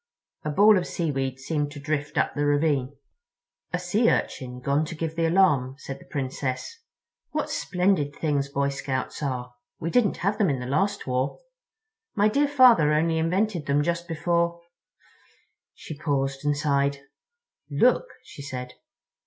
A ball of seaweed seemed to drift up the ravine. "A Sea Urchin gone to give the alarm," said the Princess; "what splendid things Boy Scouts are. We didn't have them in the last war. My dear father only invented them just before—" She paused and sighed. "Look," she said.